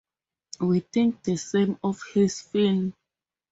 We think the same of his film.